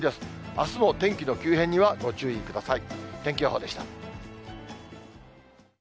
あすも天気の急変にはご注意ください。